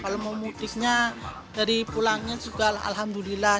kalau mau mudiknya dari pulangnya juga alhamdulillah